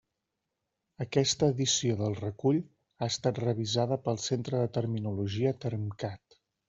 Aquesta edició del recull ha estat revisada pel centre de terminologia TERMCAT.